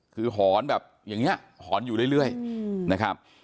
คือหอนแบบอย่างนี้หอนอยู่เรื่อยนะครับ